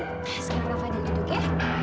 sekarang pak fadil duduk ya